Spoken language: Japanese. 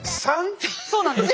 そうなんです。